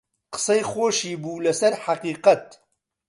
قسەی خۆشی بوو لەسەر حەقیقەت